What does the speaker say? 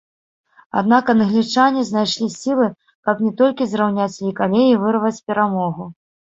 Аднак англічане знайшлі сілы, каб не толькі зраўняць лік, але і вырваць перамогу.